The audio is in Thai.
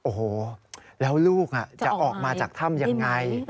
โอ้โหแล้วลูกจะออกมาจากถ้ำยังไง